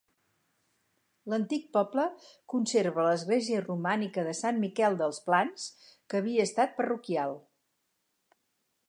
L'antic poble conserva l'església romànica de Sant Miquel dels Plans, que havia estat parroquial.